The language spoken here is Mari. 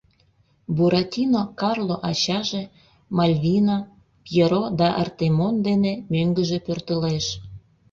Буратино Карло ачаже, Мальвина, Пьеро да Артемон дене мӧҥгыжӧ пӧртылеш